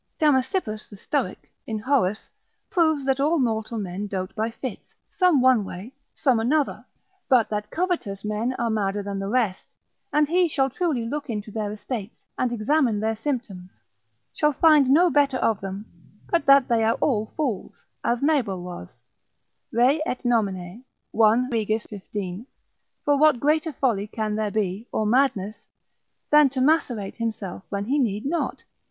Damasippus the Stoic, in Horace, proves that all mortal men dote by fits, some one way, some another, but that covetous men are madder than the rest; and he that shall truly look into their estates, and examine their symptoms, shall find no better of them, but that they are all fools, as Nabal was, Re et nomine (1. Reg. 15.) For what greater folly can there be, or madness, than to macerate himself when he need not?